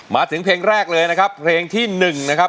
มาถึงเพลงแรกเลยนะครับเพลงที่๑นะครับ